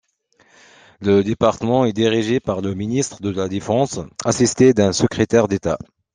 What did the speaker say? Le département est dirigé par le Ministre de la Défense, assisté d'un secrétaire d'État.